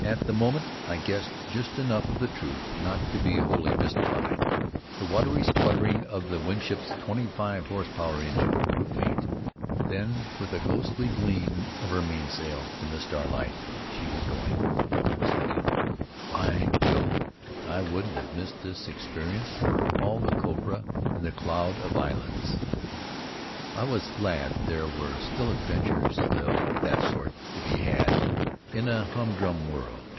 At the moment I guessed just enough of the truth not to be wholly mystified. The watery sputtering of the Winship's twenty five horse power engine grew faint. Then, with a ghostly gleam of her mainsail in the starlight, she was gong. I was thinking, "By Jove! I wouldn't have missed this experience for all the copra in the Cloud of Islands!' I was glad that there were still adventures of that sort to be had in a humdrum world.